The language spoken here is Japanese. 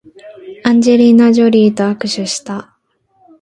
アンジェリーナジョリーと握手した